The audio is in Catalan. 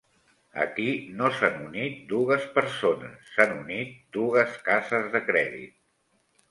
Aquí no s'han unit dugues persones, s'han unit dugues cases de crèdit